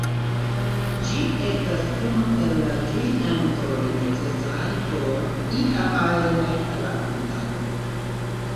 Ĝi estas unu el la tri entoj necesaj por ia ajn rakontado.